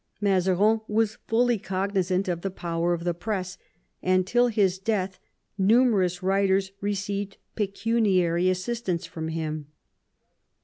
Mazarin was fully cognisant of the power of the press, and till his death numerous writers received pecuniary assistance from him.